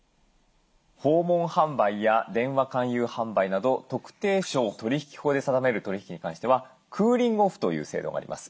訪問販売や電話勧誘販売など特定商取引法で定める取り引きに関してはクーリング・オフという制度があります。